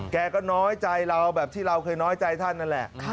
แกก็น้อยใจเราแบบที่เราเคยน้อยใจท่านนั่นแหละ